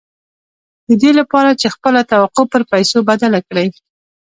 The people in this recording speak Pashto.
د دې لپاره چې خپله توقع پر پيسو بدله کړئ.